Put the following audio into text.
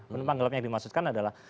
penumpang gelap yang dimaksudkan adalah